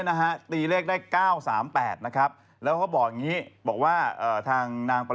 นายกตัวเป็นนายกมาประมาณ๒ปี